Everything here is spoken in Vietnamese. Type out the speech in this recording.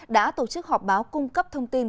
đã tổ chức họp báo cung cấp thông tin